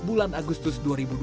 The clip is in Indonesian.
bulan agustus dua ribu dua puluh